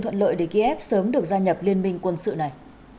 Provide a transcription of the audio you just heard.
thuận lợi để kiev sớm được gia nhập liên minh quân sự này